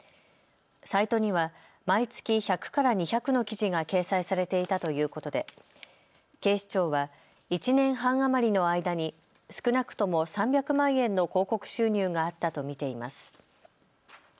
サイトには毎月１００から２００の記事が掲載されていたということで警視庁は１年半余りの間に少なくとも３００万円の広告収入があったと見ています。